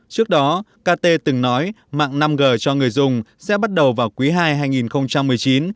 trước đó kt từng nói mạng năm g cho người dùng sẽ bắt đầu vào quý ii hai nghìn một mươi chín